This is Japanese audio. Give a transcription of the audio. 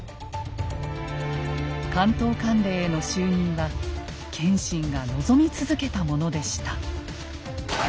「関東管領」への就任は謙信が望み続けたものでした。